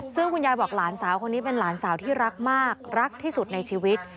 ซึ่งคุณยายบอกหลานสาวคนนี้เป็นหลานสาวที่รักมากรักที่สุดในชีวิต